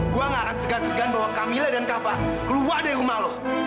gue gak akan segan segan bawa kamila dan kappa keluar dari rumah lo